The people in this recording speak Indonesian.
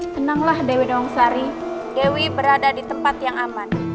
tenanglah dewi dongsari dewi berada di tempat yang aman